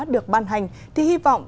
được ban hành thì hy vọng